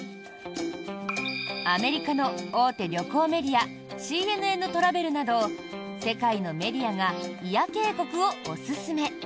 アメリカの大手旅行メディアＣＮＮトラベルなど世界のメディアが祖谷渓谷をおすすめ！